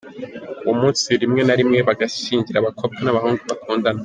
Uwo munsi rimwe narimwe bagashyingira abakobwa n’abahungu bakundana.